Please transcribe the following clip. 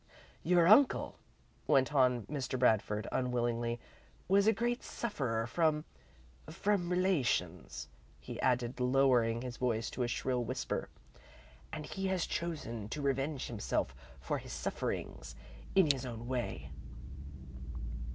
"Your uncle," went on Mr. Bradford, unwillingly, "was a great sufferer from from relations," he added, lowering his voice to a shrill whisper, "and he has chosen to revenge himself for his sufferings in his own way.